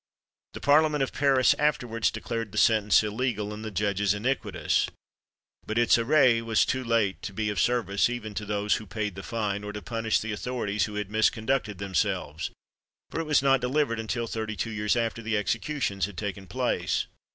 The parliament of Paris afterwards declared the sentence illegal, and the judges iniquitous; but its arrêt was too late to be of service even to those who had paid the fine, or to punish the authorities who had misconducted themselves, for it was not delivered until thirty two years after the executions had taken place.